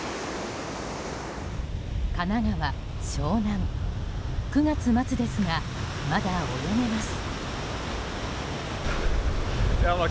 神奈川・湘南９月末ですが、まだ泳げます。